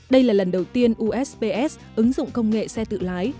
đây là lần đầu tiên usps ứng dụng công nghệ xe tự lái